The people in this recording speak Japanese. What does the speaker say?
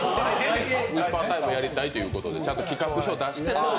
ウイスパータイムやりたいということでちゃんと企画書出して。